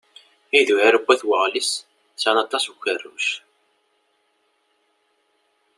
Idurar n At Weɣlis sɛan aṭas n ukerruc.